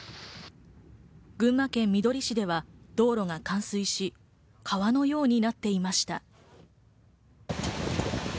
群馬県みどり市では道路が冠水し、川のようになっていました。